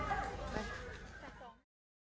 ตายอีกแล้ว